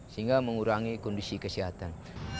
sehingga mengurangi kondisi kesehatan